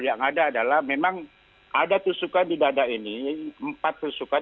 yang ada adalah memang ada tusukan di dada ini empat tusukan